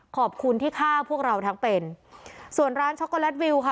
ขอบคุณที่ฆ่าพวกเราทั้งเป็นส่วนร้านค่ะ